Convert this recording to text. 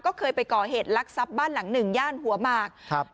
ก็เคยไปก่อเหตุลักษัพบ้านหลังหนึ่งย่านหัวหมากครับ